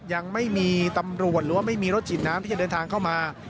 ยังไม่มีตำรวจหรือว่าไม่มีรถฉีดน้ำที่จะเดินทางเข้ามา